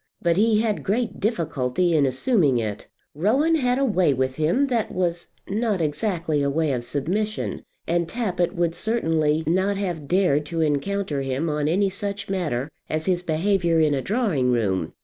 But he had great difficulty in assuming it. Rowan had a way with him that was not exactly a way of submission, and Tappitt would certainly not have dared to encounter him on any such matter as his behaviour in a drawing room.